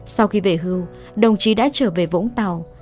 sau khi về hưu đồng chí đã trở về vũng tàu